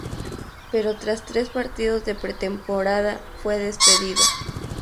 Pero tras tres partidos de pretemporada, fue despedido.